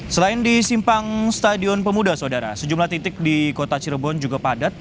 selain di simpang stadion pemuda saudara sejumlah titik di kota cirebon juga padat